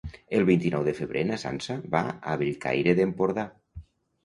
El vint-i-nou de febrer na Sança va a Bellcaire d'Empordà.